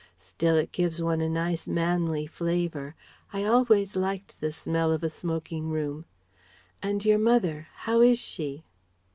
Still, it gives one a nice manly flavour. I always liked the smell of a smoking room.... And your mother: how is she?"